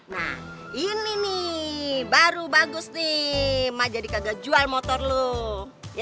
nah ini nih baru bagus nih emak jadi kagak jual motor lo ya